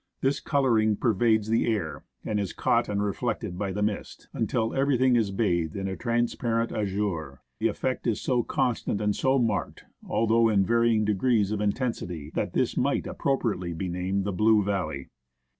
This colouring pervades the air, and is caught and reflected by the mist, until everything is bathed in a transparent azure. The effect is so constant and so marked, although in varying degrees of intensity, that this might appropriately be named the Blue Valley.